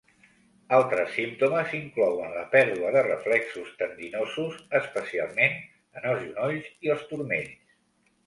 Altres símptomes inclouen la pèrdua de reflexos tendinosos, especialment en els genolls i els turmells.